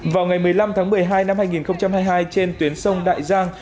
vào ngày một mươi năm tháng một mươi hai năm hai nghìn hai mươi hai trên tuyến sông đại giang